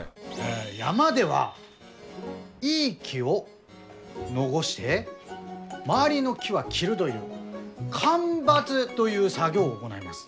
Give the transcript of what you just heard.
山ではいい木を残して周りの木は切るどいう間伐どいう作業を行います。